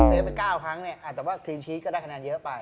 เซฟไป๙ครั้งเนี่ยแต่ว่าคลีนชีทก็ได้คะแนนเยอะไป